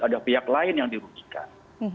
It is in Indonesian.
ada pihak lain yang dirugikan